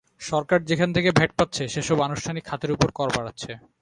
সরকার যেখান থেকে ভ্যাট পাচ্ছে, সেসব আনুষ্ঠানিক খাতের ওপর কর বাড়াচ্ছে।